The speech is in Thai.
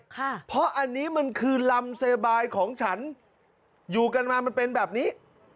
เพราะอันนี้มันคือลำเซบายของฉันอยู่กันมามันเป็นแบบนี้